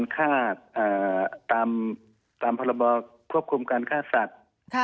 ฆ่าตามพรบควบคุมการฆ่าสัตว์